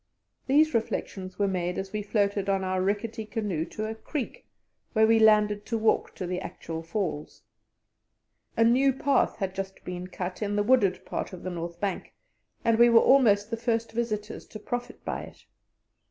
These reflections were made as we floated on in our rickety canoe to a creek, where we landed to walk to the actual Falls. A new path had just been cut in the wooded part of the north bank, and we were almost the first visitors to profit by it.